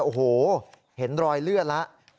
โอ้โหเห็นรอยเลือดแล้ว